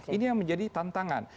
ini yang menjadi tantangan